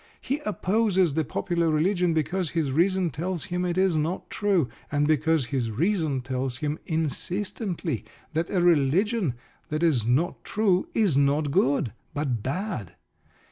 He opposes the popular religion because his reason tells him it is not true, and because his reason tells him insistently that a religion that is not true is not good, but bad.